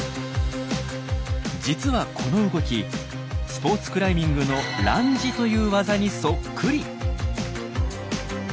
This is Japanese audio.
実はこの動きスポーツクライミングの「ランジ」というワザにそっくり。